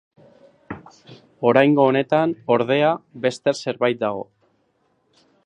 Oraingo honetan, ordea, beste zerbait dago.